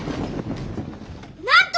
なんと！